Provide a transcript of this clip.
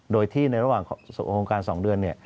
โดยที่ในระหว่างโครงการสองเดือนเนี่ย